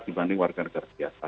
dibanding warga negara biasa